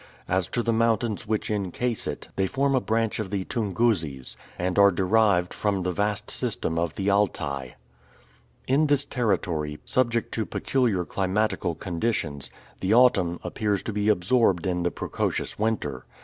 As to the mountains which encase it, they form a branch of the Toungouzes, and are derived from the vast system of the Altai. In this territory, subject to peculiar climatical conditions, the autumn appears to be absorbed in the precocious winter.